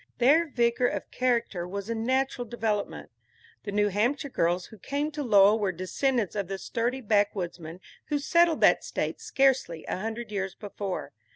Their vigor of character was a natural development. The New Hampshire girls who came to Lowell were descendants of the sturdy backwoodsmen who settled that State scarcely a hundred years before.